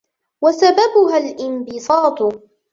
وَسَبَبُهَا الِانْبِسَاطُ